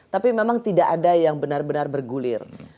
tapi memang tidak ada yang benar benar bergulir